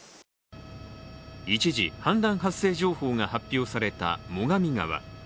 一時、氾濫発生情報が発表された最上川。